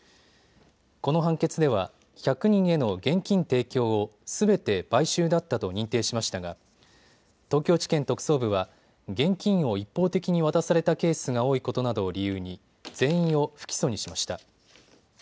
この判決では、１００人への現金提供をすべて買収だったと認定しましたが東京地検特捜部は現金を一方的に渡されたケースが多いことなどを理由に全員を不起訴にしました。